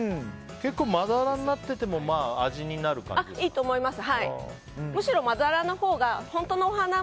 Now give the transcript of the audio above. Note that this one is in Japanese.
結構まだらになってても味になる感じですか。